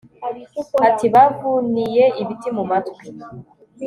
Ariko bavuniye ibiti mu matwi